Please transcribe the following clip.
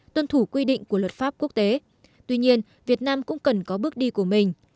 tuân thủ quy định của luật pháp quốc tế tuy nhiên việt nam cũng cần có bước đi của mình